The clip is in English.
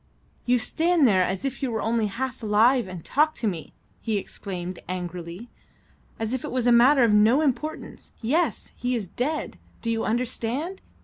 "You stand there as if you were only half alive, and talk to me," he exclaimed angrily, "as if it was a matter of no importance. Yes, he is dead! Do you understand?